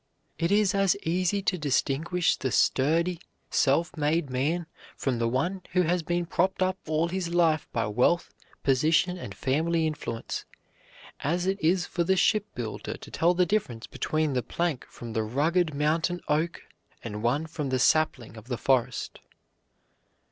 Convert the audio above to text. It is as easy to distinguished the sturdy, self made man from the one who has been propped up all his life by wealth, position, and family influence, as it is for the shipbuilder to tell the difference between the plank from the rugged mountain oak and one from the sapling of the forest.